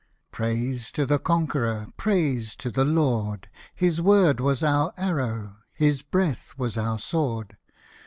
Praise to the Conqueror, praise to the Lord I His word was our arrow, his breath was our sword.